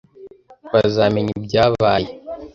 Bazamenya ibyabaye.